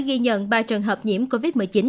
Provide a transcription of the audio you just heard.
ghi nhận ba trường hợp nhiễm covid một mươi chín